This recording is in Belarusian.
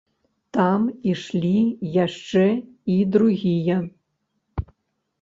Там ішлі яшчэ й другія.